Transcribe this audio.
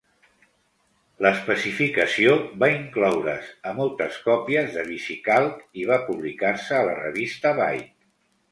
L'especificació va incloure's a moltes copies de VisiCalc i va publicar-se a la revista Byte.